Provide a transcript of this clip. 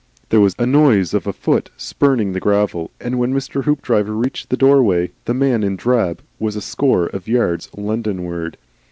There was a noise of a foot spurning the gravel, and when Mr. Hoopdriver reached the doorway, the man in drab was a score of yards Londonward.